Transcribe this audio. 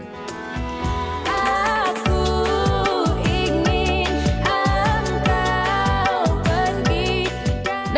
aku ingin engkau pergi